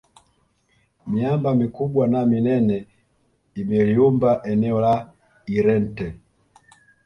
miamba mikubwa na minene imeliumba eneo la irente